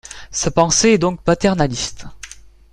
Sa pensée est donc paternaliste.